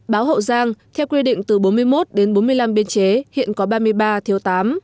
báo hậu giang theo quy định từ bốn mươi một đến bốn mươi năm biên chế hiện có ba mươi ba thiếu tám